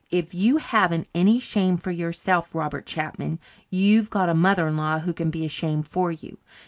"If you haven't any shame for yourself, Robert Chapman, you've got a mother in law who can be ashamed for you.